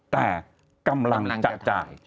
แต่กำลังจะจ่าย